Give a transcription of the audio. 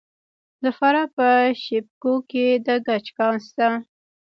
د فراه په شیب کوه کې د ګچ کان شته.